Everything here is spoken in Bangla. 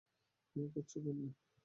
আমাকে ছোঁবেন না!